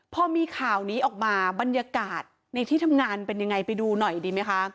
พอมีข่าวนี้ออกมาบรรยากาศในที่ทำงานเป็นยังไงไปดูหน่อยดีไหมคะ